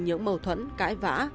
những mâu thuẫn cãi vã